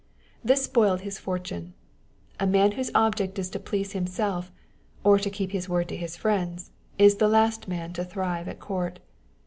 This spoiled his fortune. A man whose object is to please himself, or to keep his word to his friends, is the last man to thrive at court.